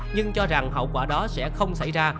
nhưng cho rằng hậu quả đó sẽ không xảy ra